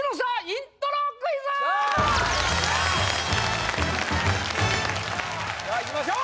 イントロクイズさあいきましょう